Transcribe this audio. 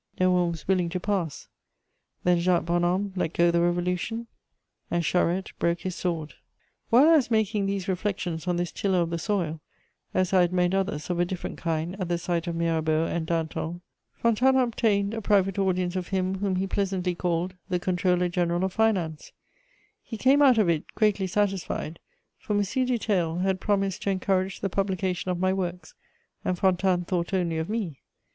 No one was willing to pass: then Jacques Bonhomme let go the Revolution, and Charette broke his sword. * While I was making these reflections on this tiller of the soil, as I had made others of a different kind at the sight of Mirabeau and Danton, Fontanes obtained a private audience of him whom he pleasantly called "the controller general of finance:" he came out of it greatly satisfied, for M. du Theil had promised to encourage the publication of my works, and Fontanes thought only of me.